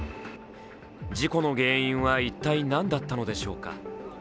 事故の原因は一体何だったのでしょうか。